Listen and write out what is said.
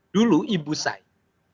dulu ibu saya